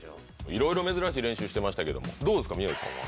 いろいろ珍しい練習してましたけれどもどうですか宮治さんは。